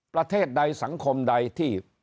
ประเทศใดสังคมใดที่